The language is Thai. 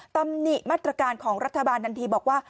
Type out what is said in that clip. ตำหนิมาตรการของรัฐบาลทันทีบอกว่า